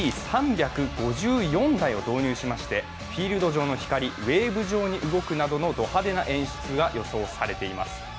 ＬＥＤ３５４台を導入しましてフィールド上の光がウェーブ状に動くなどド派手な演出が予想されています。